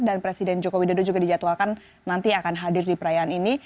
dan presiden joko widodo juga dijadwalkan nanti akan hadir di perayaan ini